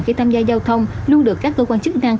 khi tham gia giao thông luôn được các cơ quan chức năng